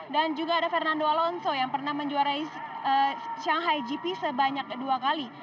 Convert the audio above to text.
dan juga ada fernando alonso yang pernah menjuarai gp shanghai sebanyak dua kali